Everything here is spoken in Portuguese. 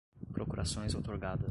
procurações outorgadas